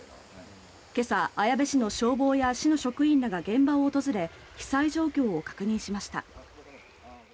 今朝、綾部市の消防や市の職員が現場を訪れ被災状況を確認しました。